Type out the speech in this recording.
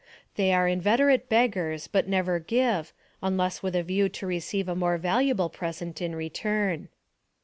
They are inveterate beggars, but never give, unless with a view to receive a more valuable present in return.